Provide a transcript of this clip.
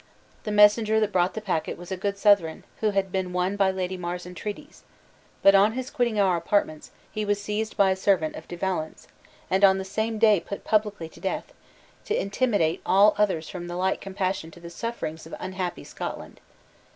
The messenger that brought the packet was a good Southron, who had been won by Lady Mar's entreaties. But on his quitting our apartments, he was seized by a servant of De Valence, and on the same day put publicly to death, to intimidate all others from the like compassion to the sufferings of unhappy Scotland.